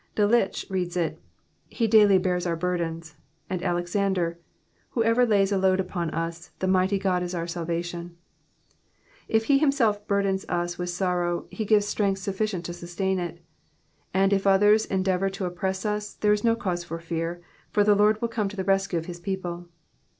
DeiitZKh leads it, He daily bears o*%T burden;" and Alexanier, Wboerer lays a load apon ns, the Mighty God is our salvation/* If be himielf burdens ns with sorrow, he gives streni^b feutflcifnt to ^u^'tain it ; and if others endeavour to oppress us, there is no cau^e for fe^r, for the Lord will come to the rescue of his people.